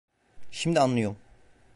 Şimdi anlıyorum.